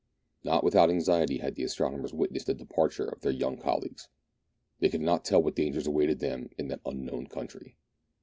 Not without anxiety had the astronomers witnessed the departure of their young colleagues : they could not tell what dangers awaited them in that unknown country.